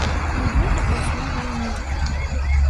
І гэта пасля вайны.